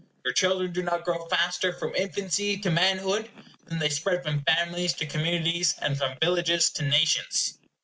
Your children do not grow faster from infancy to manhood than they spread from families to communities, and from villages to nations.